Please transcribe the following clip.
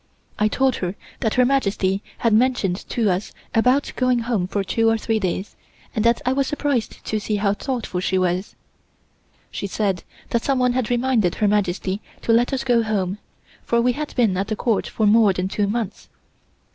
I told her that Her Majesty had mentioned to us about going home for two or three days and that I was surprised to see how thoughtful she was. She said that someone had reminded Her Majesty to let us go home, for we had been at the Court for more than two months.